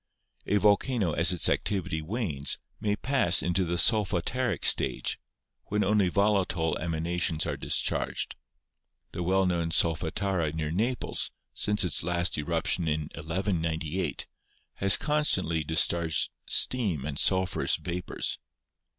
A volcano, as its activity wanes, may pass into the Solfa taric stage, when only volatile emanations are discharged. The well known Solfatara near Naples, since its last erup tion in 1 198, has constantly discharged steam and sulphur ous vapors.